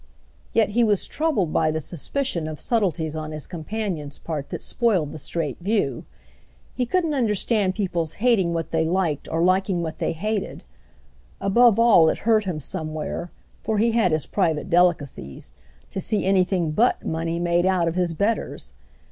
Yet he was troubled by the suspicion of subtleties on his companion's part that spoiled the straight view. He couldn't understand people's hating what they liked or liking what they hated; above all it hurt him somewhere—for he had his private delicacies—to see anything but money made out of his betters.